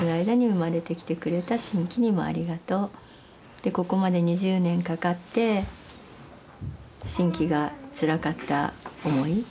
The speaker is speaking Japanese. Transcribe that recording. でここまで２０年かかって真気がつらかった思い。